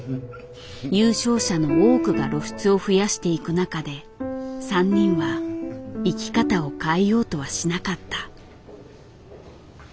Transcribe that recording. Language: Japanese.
優勝者の多くが露出を増やしていく中で３人は生き方を変えようとはしなかった。